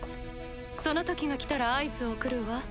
そのときが来たら合図を送るわ。